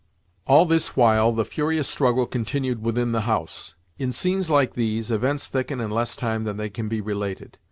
All this while the furious struggle continued within the house. In scenes like these, events thicken in less time than they can be related.